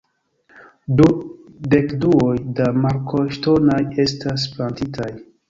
Du dekduoj da markoj ŝtonaj estas plantitaj.